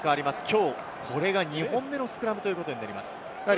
きょうこれが２本目のスクラムということになります。